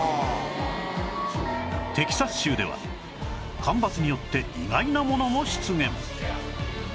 テキサス州では干ばつによって意外なものも出現